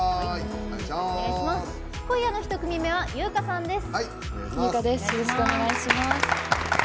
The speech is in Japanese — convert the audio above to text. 今夜の１組目は由薫さんです。